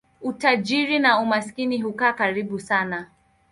Utajiri na umaskini hukaa karibu sana.